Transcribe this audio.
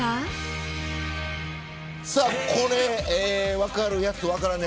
分かるやつ、分からない